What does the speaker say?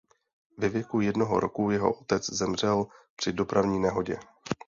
Ve věku jednoho roku jeho otec zemřel při dopravní nehodě.